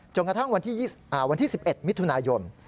กระทั่งวันที่๑๑มิถุนายน